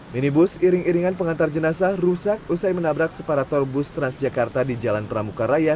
minibus iring iringan pengantar jenazah rusak usai menabrak separator bus transjakarta di jalan pramuka raya